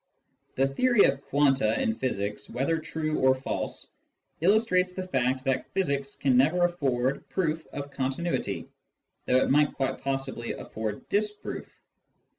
The theory of " quanta " in physics, whether true or false, illustrates the fact that physics can never afford proof of continuity, though it might quite possibly afford disproof.